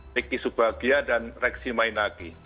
ricky subagia dan reksi mainaki